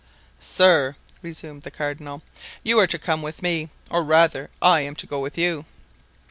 "Sir," resumed the cardinal, "you are to come with me, or rather, I am to go with you."